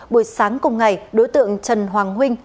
buổi sáng cùng ngày đối tượng trần hoàng huynh